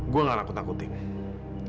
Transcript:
gue gak takut nakutin